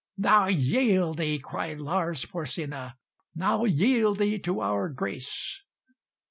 "Now yield thee," cried Lars Porsena, "Now yield thee to our grace."